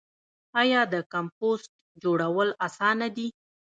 آیا د کمپوسټ جوړول اسانه دي؟